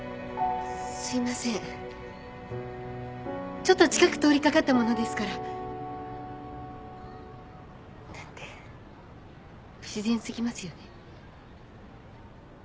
ちょっと近く通り掛かったものですから。なんて不自然過ぎますよね。